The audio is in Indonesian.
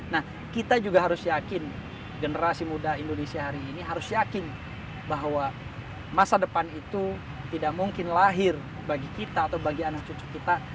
nah kita juga harus yakin generasi muda indonesia hari ini harus yakin bahwa masa depan itu tidak mungkin lahir bagi kita atau bagi anak cucu kita